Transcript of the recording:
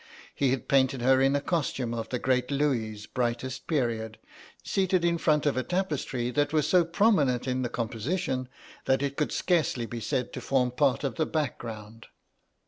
He had painted her in a costume of the great Louis's brightest period, seated in front of a tapestry that was so prominent in the composition that it could scarcely be said to form part of the background.